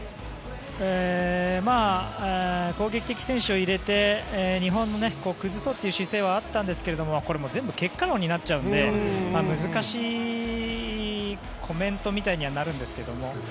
攻撃的選手を入れて日本の崩そうという姿勢はあったんですけどこれは全部結果論になっちゃうので難しいコメントみたいになっちゃうんですけど。